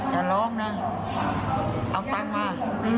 อย่าร้องน่ะเอาเงินมา